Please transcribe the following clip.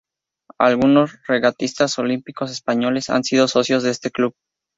Algunos regatistas olímpicos españoles han sido socios de este club.